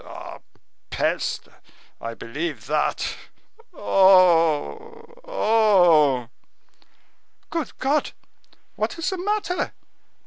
"Ah, peste! I believe that. Oh! oh!" "Good God! what is the matter?"